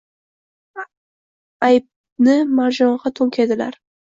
Aybdi Marjong‘a to‘nkaydilar